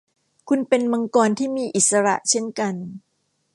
คุณเป็นมังกรที่มีอิสระเช่นกัน